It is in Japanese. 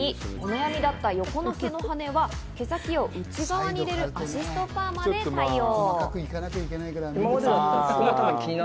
さらに、お悩みだった横の毛のハネは毛先を内側に入れるアシストパーマで対応。